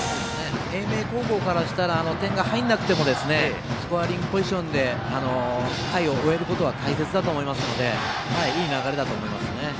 英明高校からしたら点が入らなくてもスコアリングポジションで回を終えることは大切だと思いますのでいい流れだと思いますね。